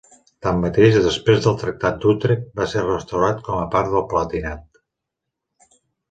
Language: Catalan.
Tanmateix, després del Tractat d'Utrecht va ser restaurat com a part del Palatinat.